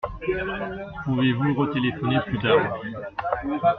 Pouvez-vous retéléphoner plus tard ?